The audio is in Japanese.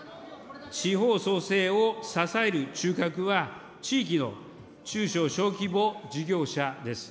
地方創生を支える中核は、地域の中小・小規模事業者です。